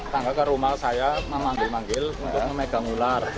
tangga ke rumah saya memanggil manggil untuk memegang ular